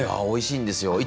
おいしいですよ